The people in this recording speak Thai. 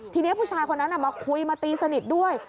ทีนี้ผู้ชายคนนั้นมาคุยมาตีสนิทด้วย